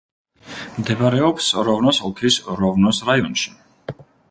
მდებარეობს როვნოს ოლქის როვნოს რაიონში.